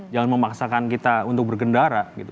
jangan memaksakan kita untuk bergendara